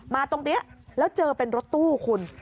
ตรงนี้แล้วเจอเป็นรถตู้คุณ